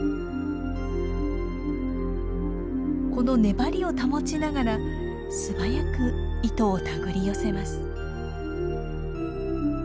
この粘りを保ちながら素早く糸を手繰り寄せます。